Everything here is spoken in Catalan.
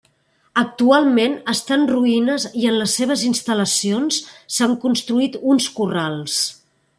Actualment està en ruïnes i en les seves instal·lacions s'han construït uns corrals.